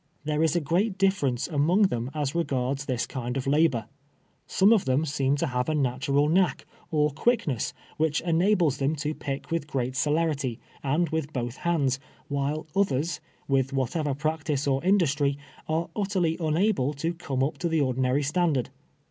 There is a great difference among them as regards this kind of hil)ur. Some of them seem to have a natural knack, or quickness, which enables them to ])ick M ith great celerity, and with ])i>tli Iiands, while others, with wliatever practice or industry, are utterly unable to come u]) to the ordinary standard.